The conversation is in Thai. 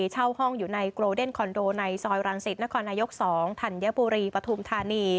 เช่าห้องอยู่ในโกรเดนคอนโดในซอยรังสิตนครนายก๒ธัญบุรีปฐุมธานี